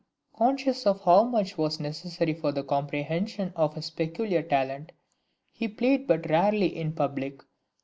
Conscious of how much was necessary for the comprehension of his peculiar talent, he played but rarely in public.